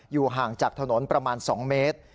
ห่างจากถนนประมาณ๒เมตร